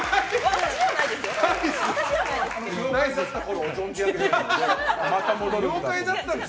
私ではないです。